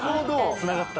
つながった。